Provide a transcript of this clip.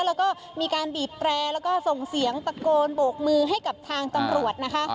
แล้วก็มีการบีบแตรแล้วก็ส่งเสียงตะโกนโบกมือให้กับทางตำรวจนะคะ